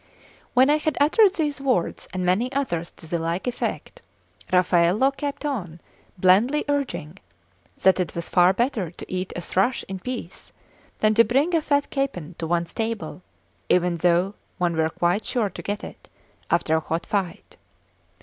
When I had uttered these words, and many others to the like effect, Raffaello kept on blandly urging that it was far better to eat a thrush in peace than to bring a fat capon to one's table, even though one were quite sure to get it, after a hot fight.